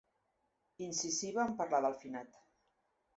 Incisiva en parlar del finat.